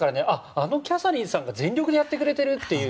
あのキャサリンさんが全力でやってくれてるって。